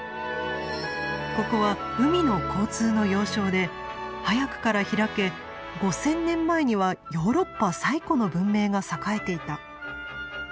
ここは海の交通の要衝で早くから開け５，０００年前にはヨーロッパ最古の文明が栄えていた。